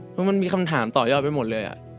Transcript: เพราะมันมีคำถามต่อยอดไปหมดเลย